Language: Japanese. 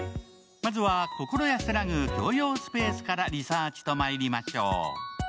まずは心安らぐ共用スペースからリサーチとまいりましょう。